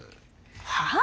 はあ？